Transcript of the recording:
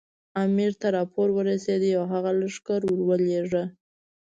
امیر ته راپور ورسېد او هغه لښکر ورولېږه.